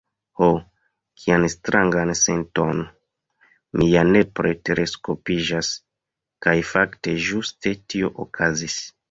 "Ho, kian strangan senton! mi ja nepre teleskopiĝas!" Kaj fakte ĝuste tio okazis.